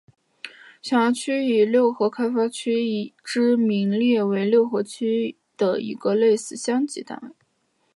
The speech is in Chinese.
辖区以六合开发区之名列为六合区的一个类似乡级单位。